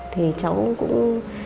thì cháu cũng